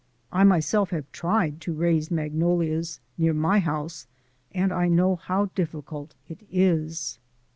I myself have tried to raise magnolias near my house, and I know how difficult it is.